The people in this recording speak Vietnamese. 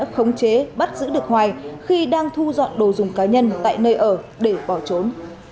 khống chế bắt giữ được hoài khi đang thu dọn đồ dùng cá nhân tại nơi ở để bỏ trốn